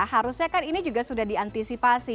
harusnya kan ini juga sudah diantisipasi